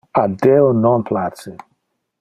A Deo non place!